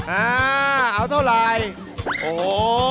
อ่าเอาเท่าไรโอ้โห